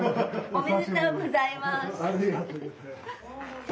ありがとうございます。